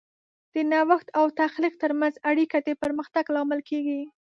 د نوښت او تخلیق ترمنځ اړیکه د پرمختګ لامل کیږي.